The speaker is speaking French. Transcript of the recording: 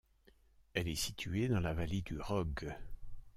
Elle est située dans la vallée du Rogue.